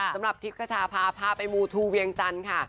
สำหรับทิพย์กระชาพาพาไปมูทูเวียงจันทร์ค่ะ